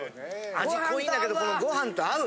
味濃いんだけどこのご飯と合う。